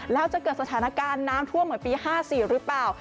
แล้วจะเกิดสถานการณ์น้ำท่วมเหมือนปี๕๔หรือเปล่า